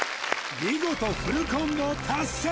見事フルコンボ達成！